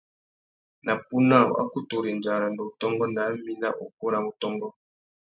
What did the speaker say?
Na puna, wa kutu rendza aranda-utôngô ná mí nà ukú râ wutôngô.